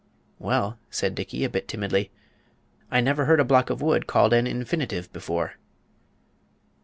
"Well," said Dickey, a bit timidly, "I never heard a block of wood called an infinitive before."